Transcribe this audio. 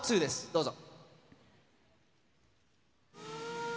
どうぞ。